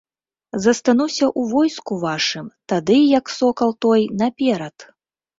Застануся ў войску вашым, тады, як сокал той, наперад!